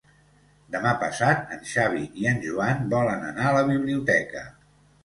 Demà passat en Xavi i en Joan volen anar a la biblioteca.